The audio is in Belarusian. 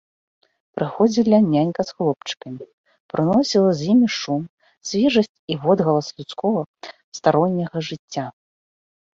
Прыходзіла нянька з хлопчыкамі, прыносіла з імі шум, свежасць і водгалас людскога старонняга жыцця.